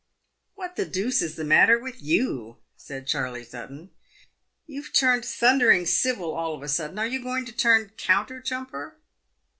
"What the deuce is the matter with you?" said Charley Sutton. P You have turned thundering civil all of a sudden. Are you going to turn counter jumper